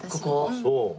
そう。